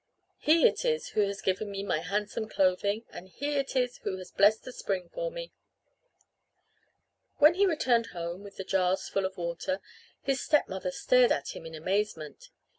He it is who has given me my handsome clothing and he it is who has blessed the spring for me." When he returned home with the jars full of water his stepmother stared at him in amazement.